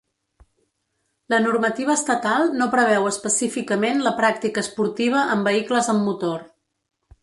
La normativa estatal no preveu específicament la pràctica esportiva amb vehicles amb motor.